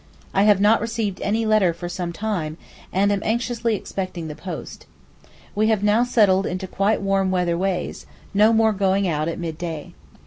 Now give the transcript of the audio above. I have not received any letter for some time, and am anxiously expecting the post. We have now settled into quite warm weather ways, no more going out at mid day.